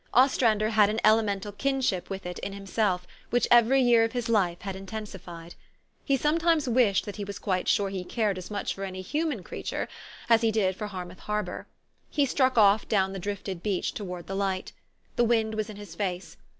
Ostrander had an elemental kinship with it in himself, which every year of his life had intensified. He sometimes wished that he was quite sure he cared as much for any human creature 76 THE STORY OF AVIS. as he did for Harmouth Harbor. He struck off down the drifted beach toward the Light. The wind was in his face.